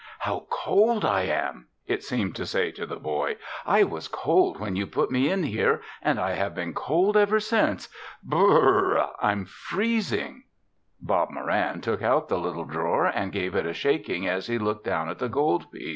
"How cold I am!" it seemed to say to the boy. "I was cold when you put me in here and I have been cold ever since. Br r r! I'm freezing." Bob Moran took out the little drawer and gave it a shaking as he looked down at the gold piece.